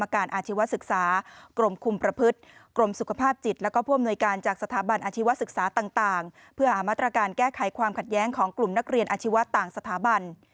ขัดแย้งของกลุ่มนักเรียนอาชีวะต่างสถาบัน